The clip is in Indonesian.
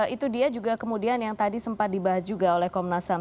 itu dia juga kemudian yang tadi sempat dibahas juga oleh komnas ham